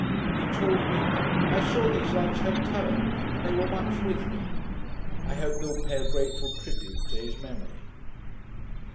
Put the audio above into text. He told me, 'I saw these lads had talents, and they were much with me.' I hope they will pay a grateful tribute to his memory.